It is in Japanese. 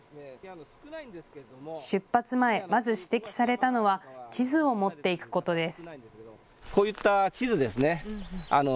出発前、まず指摘されたのは地図を持って行くことです。